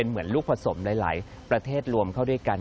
เหมือนลูกผสมหลายประเทศรวมเข้าด้วยกัน